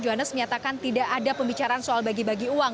johannes menyatakan tidak ada pembicaraan soal bagi bagi uang